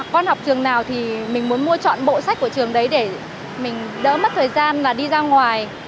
con học trường nào thì mình muốn mua chọn bộ sách của trường đấy để mình đỡ mất thời gian và đi ra ngoài